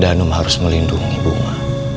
danum harus melindungi bunga